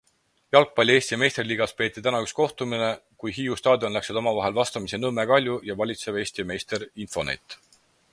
Jalgpalli Eesti meistriliigas peeti täna üks kohtumine, kui Hiiu staadionil läksid omavahel vastamisi Nõmme Kalju ning valitsev Eesti meister Infonet.